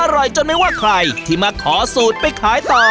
อร่อยจนไม่ว่าใครที่มาขอสูตรไปขายต่อ